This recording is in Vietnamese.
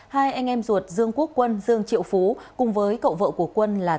hai anh em ruột dương quốc quân dương triệu phú cùng với cậu vợ của quân là